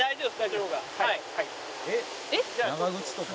「長靴とか」